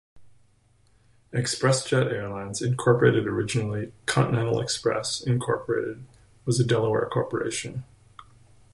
ExpressJet Airlines, Incorporated originally Continental Express, Incorporated was a Delaware corporation.